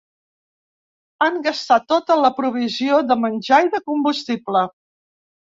Han gastat tota la provisió de menjar i de combustible.